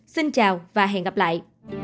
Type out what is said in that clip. xin chào và hẹn gặp lại